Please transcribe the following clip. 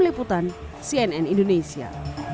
liputan cnn indonesia